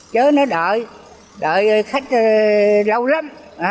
chứ nó đợi khách lâu lắm